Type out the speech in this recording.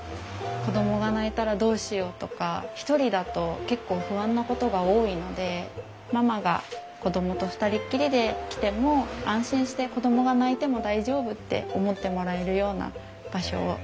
子供が泣いたらどうしようとか一人だと結構不安なことが多いのでママが子供と二人っきりで来ても安心して子供が泣いても大丈夫って思ってもらえるような場所をイメージして作りました。